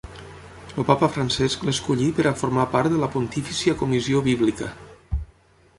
El Papa Francesc l'escollí per a formar part de la Pontifícia Comissió Bíblica.